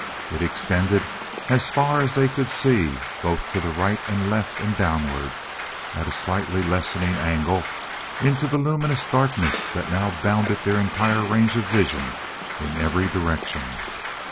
It extended as far as they could see both to the right and left and downward, at a slightly lessening angle, into the luminous darkness that now bounded their entire range of vision in every direction.